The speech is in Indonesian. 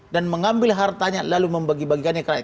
dan mengambil hartanya lalu membagi bagikannya ke rakyat